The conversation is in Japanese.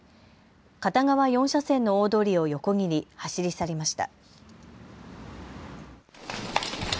片側４車線の大通りを横切り走り去りました。